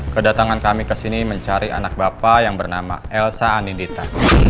kedatangan kami ke sini mencari anak bapak yang bernama elsa anindita